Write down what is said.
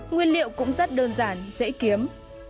nguyên liệu cũng rất đơn giản dễ kiếm